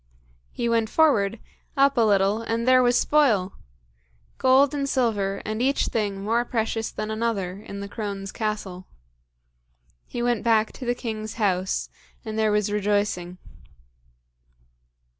He went forward, up a little, and there was spoil! Gold and silver, and each thing more precious than another, in the crone's castle. He went back to the king's house, and there was rejoicing.